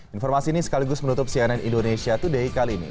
informasi ini sekaligus menutup cnn indonesia today kali ini